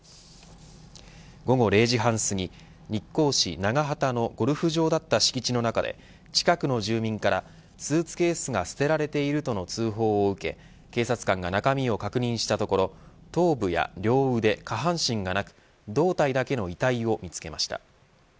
午後０時半すぎ日光市長畑のゴルフ場だった敷地の中で近くの住民からスーツケースが捨てられているとの通報を受け警察官が中身を確認したところ頭部や両腕、下半身がなく胴体だけの遺体を見つけました。